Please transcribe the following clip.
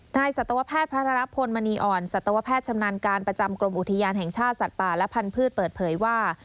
สัตวแพทย์พระรพลมณีอ่อนสัตวแพทย์ชำนาญการประจำกรมอุทยานแห่งชาติสัตว์ป่าและพันธุ์เปิดเผยว่า